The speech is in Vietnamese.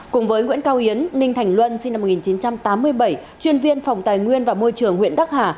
cùng với nguyễn cao yến ninh thành luân sinh năm một nghìn chín trăm tám mươi bảy chuyên viên phòng tài nguyên và môi trường huyện đắc hà